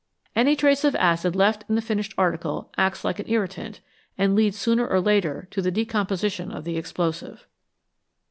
Any trace of acid left in the finished article acts like an irritant, and leads sooner or later to the decom position of the explosive.